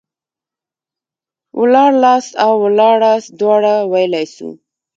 ولاړلاست او ولاړاست دواړه ويلاى سو.